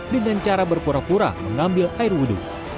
dengan cara berpura pura mengambil air wudhu